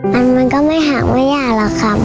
มันมันก็ไม่หักอะไรยากหรอกครับ